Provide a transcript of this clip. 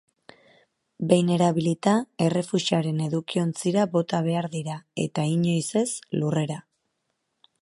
Behin erabilita, errefusaren edukiontzira bota behar dira, eta inoiz ez lurrera.